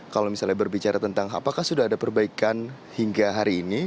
kalau misalnya berbicara tentang apakah sudah ada perbaikan hingga hari ini